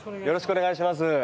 よろしくお願いします。